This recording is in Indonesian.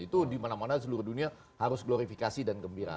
itu dimana mana seluruh dunia harus glorifikasi dan gembira